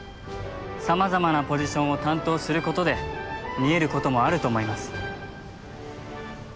さまざまなポジションを担当することで見えることもあると思います。